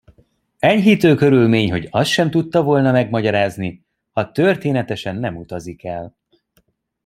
Enyhítő körülmény, hogy azt sem tudta volna megmagyarázni, ha történetesen nem utazik el.